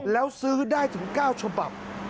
แล้วซื้อได้ถึง๙ฉบับ